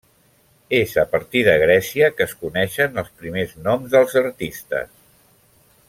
És a partir de Grècia que es coneixen els primers noms dels artistes.